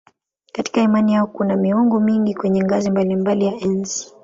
Katika imani yao kuna miungu mingi kwenye ngazi mbalimbali ya enzi.